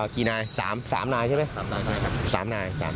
กี่นายสามนายใช่ไหมสามนาย